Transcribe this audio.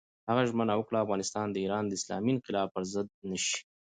هغه ژمنه وکړه، افغانستان د ایران د اسلامي انقلاب پر ضد نه شي.